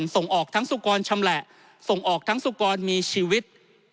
ส่งออกทั้งสุกรชำแหละส่งออกทั้งสุกรมีชีวิต